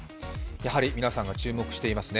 やはり皆さんが注目していますね。